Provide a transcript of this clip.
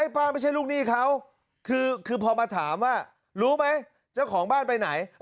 ป้าไม่ใช่ลูกหนี้เขาคือพอมาถามว่ารู้ไหมเจ้าของบ้านไปไหน